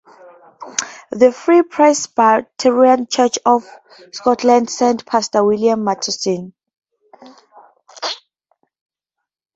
The Free Presbyterian Church of Scotland sent pastor William Matheson.